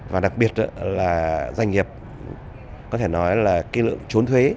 và đặc biệt là doanh nghiệp có thể nói là cái lượng trốn thuế